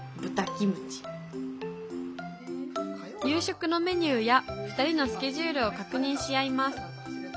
夕食のメニューや２人のスケジュールを確認し合います。